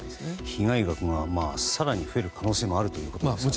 被害額が更に増える可能性があるということですね。